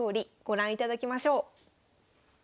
ご覧いただきましょう。